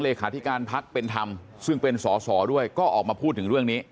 เลขาธิการพักเป็นธรรมซึ่งเป็นสอสอด้วยก็ออกมาพูดถึงเรื่องนี้